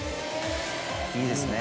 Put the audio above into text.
いいですね。